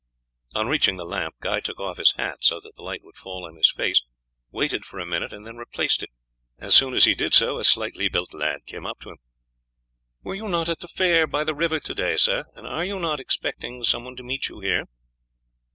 On reaching the lamp, Guy took off his hat, so that the light should fall on his face, waited for a minute, and then replaced it. As soon as he did so a slightly built lad came up to him. "Were you not at the fair by the river to day, sir, and are you not expecting some one to meet you here?"